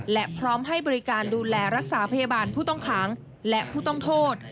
และพร้อมให้บริการดูแลรักษาพยาบาลผู้ต้องขังและผู้ต้องโทษ